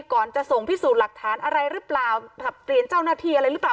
ก่อนจะส่งพิสูจน์หลักฐานอะไรหรือเปล่าผลับเปลี่ยนเจ้าหน้าที่อะไรหรือเปล่า